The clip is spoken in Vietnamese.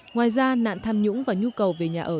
ngoài ra nạn tham nhũng và nhu cầu về nhà ở